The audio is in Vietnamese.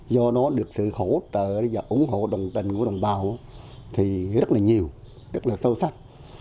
do nó được sự hỗ trợ và ủng hộ đồng tình của đồng bào thì rất là nhiều rất là sâu sắc